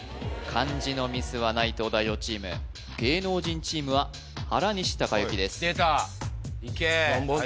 漢字のミスはない東大王チーム芸能人チームは原西孝幸です出たいけー